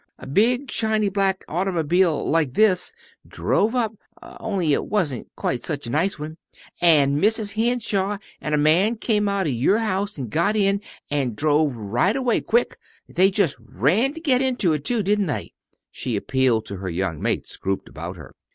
A big shiny black automobile like this drove up only it wasn't quite such a nice one an' Mrs. Henshaw an' a man came out of your house an' got in, an' drove right away quick! They just ran to get into it, too didn't they?" She appealed to her young mates grouped about her.